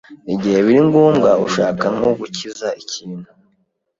Igihe biri ngombwa ushaka nko gukiza ikintu